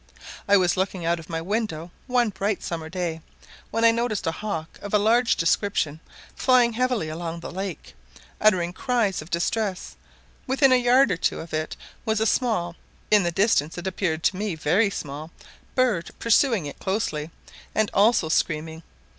I was looking out of my window one bright summer day, when I noticed a hawk of a large description flying heavily along the lake, uttering cries of distress; within a yard or two of it was a small in the distance it appeared to me a very small bird pursuing it closely, and also screaming.